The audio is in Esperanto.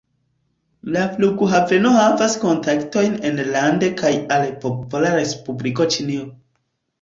La flughaveno havas kontaktojn enlande kaj al Popola Respubliko Ĉinio.